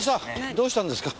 どうしたんですか？